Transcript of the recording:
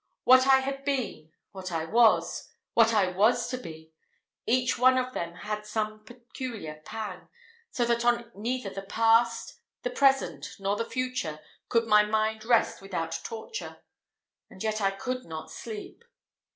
What I had been what I was what I was to be each one of them had some peculiar pang; so that on neither the past, the present, nor the future, could my mind rest without torture; and yet I could not sleep.